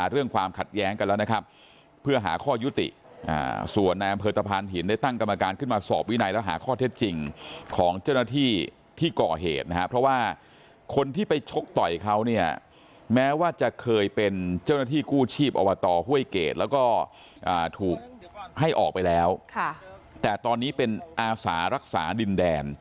เรื่องความขัดแย้งกันแล้วนะครับเพื่อหาข้อยุติส่วนในอำเภอตะพานหินได้ตั้งกรรมการขึ้นมาสอบวินัยแล้วหาข้อเท็จจริงของเจ้าหน้าที่ที่ก่อเหตุนะครับเพราะว่าคนที่ไปชกต่อยเขาเนี่ยแม้ว่าจะเคยเป็นเจ้าหน้าที่กู้ชีพอวตห้วยเกรดแล้วก็ถูกให้ออกไปแล้วแต่ตอนนี้เป็นอาสารักษาดินแดน